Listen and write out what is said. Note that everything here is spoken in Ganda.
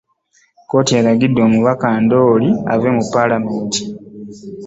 Kkooti eragidde omubaka Ndooli ave mu Paalamenti.